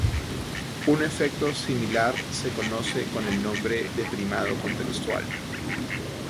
Un efecto similar se conoce con el nombre de primado contextual.